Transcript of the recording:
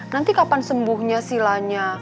nanti kapan sembuhnya silanya